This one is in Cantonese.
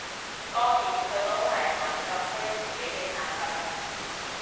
當然佢都係猛咁推自己出嘅產品